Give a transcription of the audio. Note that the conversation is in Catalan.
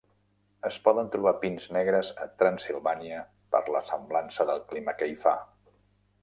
Es poden trobar pins negres a Transsilvània per la semblança del clima que hi fa.